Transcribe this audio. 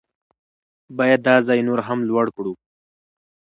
باید دا ځای نور هم لوړ کړو.